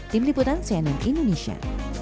tim liputan cnn indonesia